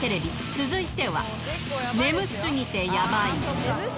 続いては、眠すぎてやばい。